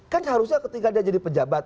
kan harusnya ketika dia jadi pejabat